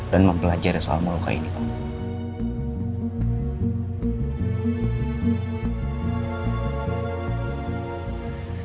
dan mempelajari soal muluka ini pak